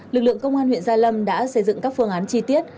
lực lượng công an huyện gia lâm đã xây dựng các phương án chi tiết